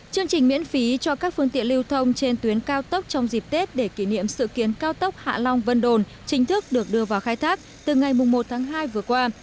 chương trình miễn phí cho các phương tiện lưu thông trên tuyến cao tốc trong dịp tết để kỷ niệm sự kiến cao tốc hạ long vân đồn chính thức được đưa vào khai thác từ ngày một tháng hai vừa qua